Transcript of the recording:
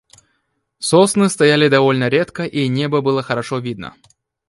Сосны стояли довольно редко и небо было хорошо видно.